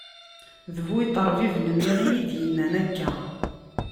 D bu iṭerbiben-nni i yi-d-yennan akka.